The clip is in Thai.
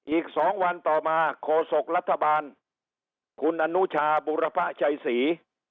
อีก๒วันต่อมาโคศกรัฐบาลคุณอนุชาบุรพะชัยศรี